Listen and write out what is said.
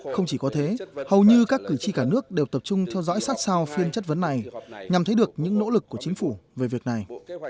không chỉ có thế hầu như các cử tri cả nước đều tập trung theo dõi sát sao phiên chất vấn này nhằm thấy được những nỗ lực của chính phủ về việc này